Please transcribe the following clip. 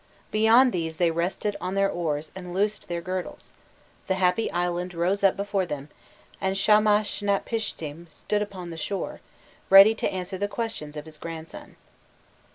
Beyond these they rested on their oars and loosed their girdles: the happy island rose up before them, and Shamashnapishtim stood upon the shore, ready to answer the questions of his grandson.